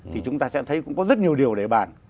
thì chúng ta sẽ thấy cũng có rất nhiều điều để bàn